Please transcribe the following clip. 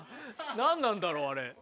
何なんだろうあれ。